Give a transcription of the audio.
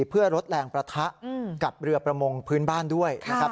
เพื่อลดแรงประทะกับเรือประมงพื้นบ้านด้วยนะครับ